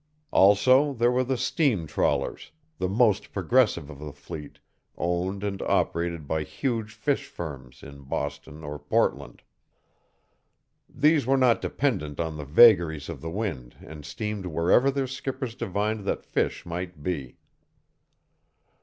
Also, there were the steam trawlers, the most progressive of the fleet, owned and operated by huge fish firms in Boston or Portland. These were not dependent on the vagaries of the wind and steamed wherever their skippers divined that fish might be.